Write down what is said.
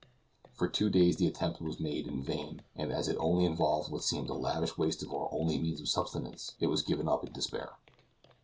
For two days the attempt was made in vain, and as it only involved what seemed a lavish waste of our only means of subsistence, it was given up in despair.